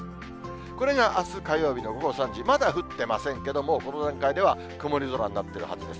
これがあす火曜日の午後３時、まだ降ってませんけども、もうこの段階では曇り空になってるはずです。